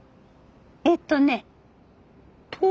えっとねと。